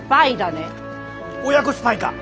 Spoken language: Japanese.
親子スパイか！